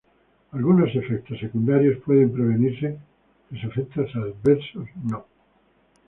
Algunos efectos secundarios pueden prevenirse, los efectos adversos no.